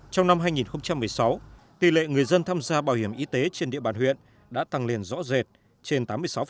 trong năm hai nghìn một mươi sáu tỷ lệ người dân tham gia bảo hiểm y tế trên địa bàn huyện đã tăng liền rõ rệt trên tám mươi sáu